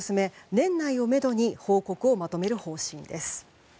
年内をめどに報告をまとめる方針です。